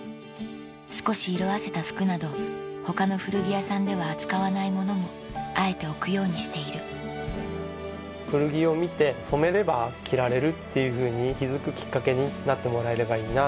少し色あせた服など他の古着屋さんでは扱わないものもあえて置くようにしている古着を見て染めれば着られるっていうふうに気付くきっかけになってもらえればいいな。